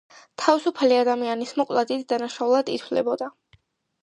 თავისუფალი ადამიანის მოკვლა დიდ დანაშაულად ითვლებოდა.